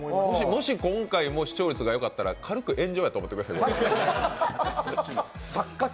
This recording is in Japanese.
もし今回視聴率がよかったら、軽く炎上だと思ってください。